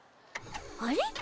あれ？